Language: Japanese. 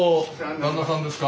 旦那さんですか。